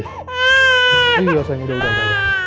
ini loh sayang udah udah